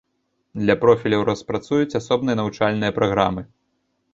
Для профіляў распрацуюць асобныя навучальныя праграмы.